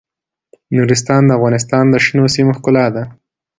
نورستان د افغانستان د شنو سیمو ښکلا ده.